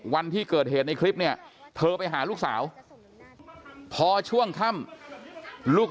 วันที่เกิดเหตุในคลิปเนี่ยเธอไปหาลูกสาวพอช่วงค่ำลูก